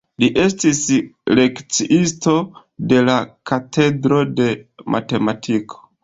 Li estis lekciisto de la katedro de matematiko.